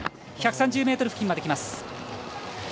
１３０ｍ付近まできます。